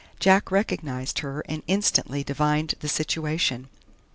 Jack recognized her and instantly divined the situation.